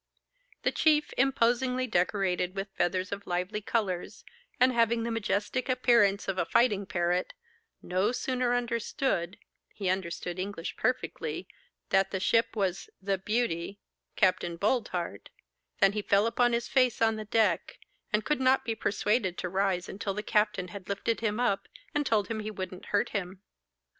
The chief, imposingly decorated with feathers of lively colours, and having the majestic appearance of a fighting parrot, no sooner understood (he understood English perfectly) that the ship was 'The Beauty,' Capt. Boldheart, than he fell upon his face on the deck, and could not be persuaded to rise until the captain had lifted him up, and told him he wouldn't hurt him.